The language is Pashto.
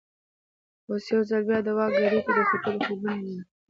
اوس یو ځل بیا د واک ګدۍ ته د ختلو خوبونه ویني.